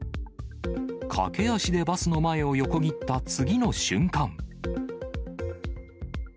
駆け足でバスの前を横切った次の瞬間。